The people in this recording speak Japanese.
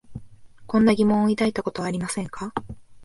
こんな疑問を抱いたことはありませんか？